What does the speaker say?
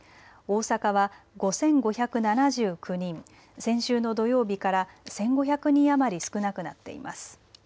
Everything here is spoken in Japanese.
大阪は５５７９人、先週の土曜日から１５００人余り少なくなっています。